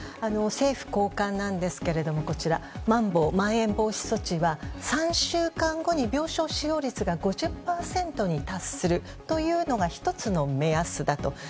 政府高官なんですけれどもまん延防止措置は３週間後に病床使用率が５０％に達するというのが１つの目安だと。